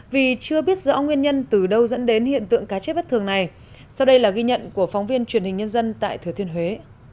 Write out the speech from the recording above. vì chưa biết rõ nguyên nhân từ đâu dẫn đến hiện tượng cá chết bất thường này sau đây là ghi nhận của phóng viên truyền hình nhân dân tại thừa thiên huế